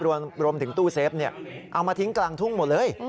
รวมถึงตู้เซฟเอามาทิ้งกลางทุ่งหมดเลย